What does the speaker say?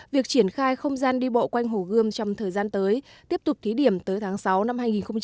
việc triển khai không gian đi bộ quanh hồ gươm trong thời gian tới tiếp tục thí điểm tới tháng sáu năm hai nghìn hai mươi